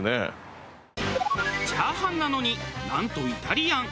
チャーハンなのになんとイタリアン。